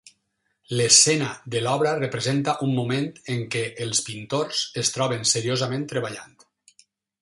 L'escena de l'obra representa un moment en què els pintors es troben seriosament treballant.